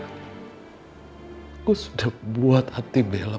aku sudah buat hati bela